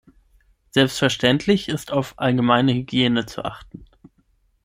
Selbstverständlich ist auf allgemeine Hygiene zu achten.